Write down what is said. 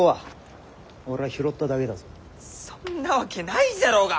そんなわけないじゃろうが！